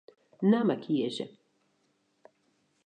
Namme kieze.